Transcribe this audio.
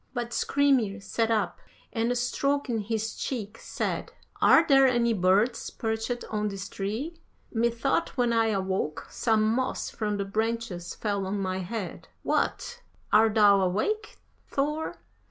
But Skrymir sat up, and stroking his cheek, said "'Are there any birds perched on this tree? Methought when I awoke some moss from the branches fell on my head. What! Art thou awake, Thor?